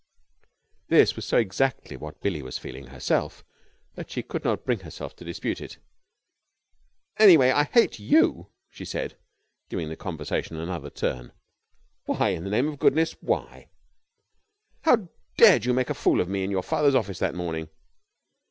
This was so exactly what Billie was feeling herself that she could not bring herself to dispute it. "Anyway, I hate you!" she said, giving the conversation another turn. "Why? In the name of goodness, why?" "How dared you make a fool of me in your father's office that morning?"